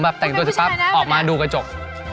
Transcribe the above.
แบบแต่งตัวจะปั๊บออกมาดูกระจก